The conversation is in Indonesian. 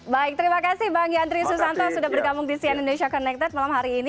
baik terima kasih bang yandri susanto sudah bergabung di sian indonesia connected malam hari ini